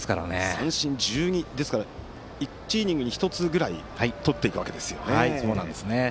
三振が１２ですから１イニングに１つぐらいとっているわけですよね。